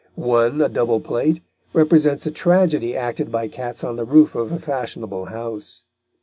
One, a double plate, represents a tragedy acted by cats on the roof of a fashionable house.